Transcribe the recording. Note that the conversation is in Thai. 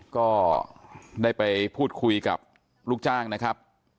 ก็ได้ไปพูดคุยกับลูกจ้างนะครับ